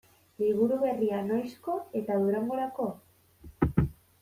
Liburu berria noizko eta Durangorako?